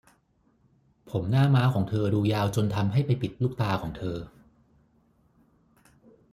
ผมหน้าม้าของเธอดูยาวจนทำให้ไปปิดลูกตาเธอ